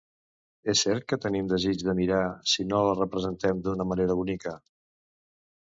És cert que tenim desig de mirar si no la representem d'una manera bonica.